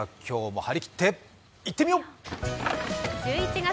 張り切っていってみよう！